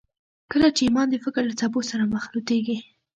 کله چې ایمان د فکر له څپو سره مخلوطېږي